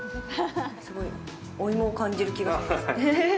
すごいお芋を感じる気がします。